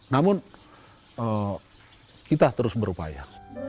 namun kita terus berupaya